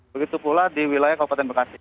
begitu pula di wilayah kabupaten bekasi